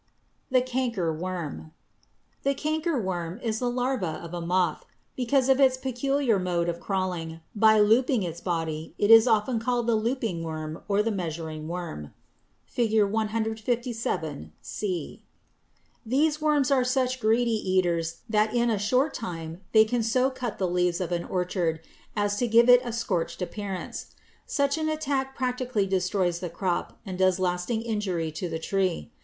=The Cankerworm.= The cankerworm is the larva of a moth. Because of its peculiar mode of crawling, by looping its body, it is often called the looping worm or measuring worm (Fig. 157, c). These worms are such greedy eaters that in a short time they can so cut the leaves of an orchard as to give it a scorched appearance. Such an attack practically destroys the crop and does lasting injury to the tree.